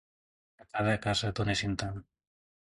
A cada casa donessin tant!